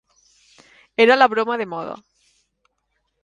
Era la broma de moda.